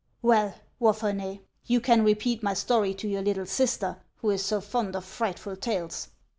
" Well, Wapherney, you can repeat my story to your little sister, who is so fond of frightful tales.